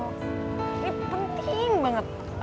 ini penting banget oke